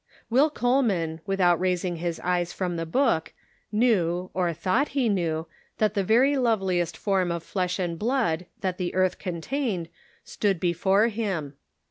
Will Coleman, without raising his eyes from the book, knew, or thought he knew, that the very loveliest form of flesh and blood that the earth contained stood before him.